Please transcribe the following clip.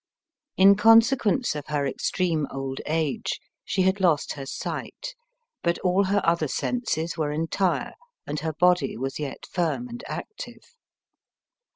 In consequence of her extreme old age she had lost her sight, but all her other senses were entire, and her body was yet firm and active.